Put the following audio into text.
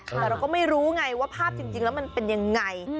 แต่เราก็ไม่รู้ไงว่าภาพจริงแล้วมันเป็นยังไง